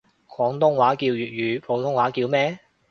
廣東話叫粵語，普通話叫咩？